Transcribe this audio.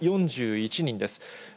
６４１人です。